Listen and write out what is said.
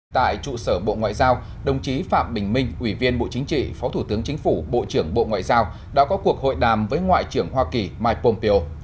tại trụ sở bộ ngoại giao đồng chí phạm bình minh ủy viên bộ chính trị phó thủ tướng chính phủ bộ trưởng bộ ngoại giao đã có cuộc hội đàm với ngoại trưởng hoa kỳ mike pompeo